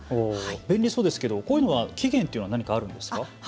便利そうですけどこういうのは期限っていうのはあります。